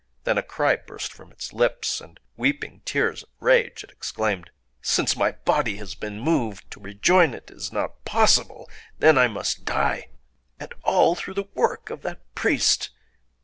Then a cry burst from its lips; and—weeping tears of rage—it exclaimed:— "Since my body has been moved, to rejoin it is not possible! Then I must die!... And all through the work of that priest!